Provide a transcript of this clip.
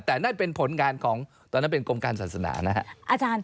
แต่นั่นเป็นผลงานของตอนนั้นเป็นกรมการศาสนานะครับ